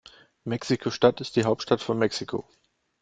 Mexiko-Stadt ist die Hauptstadt von Mexiko.